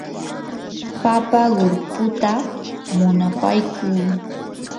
papa qullputa munapaykuu.